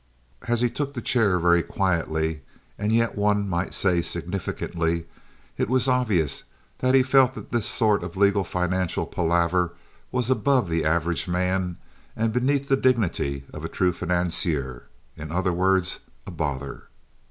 As he took the chair very quietly, and yet one might say significantly, it was obvious that he felt that this sort of legal financial palaver was above the average man and beneath the dignity of a true financier—in other words, a bother.